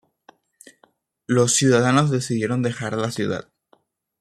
Los ciudadanos decidieron dejar la ciudad.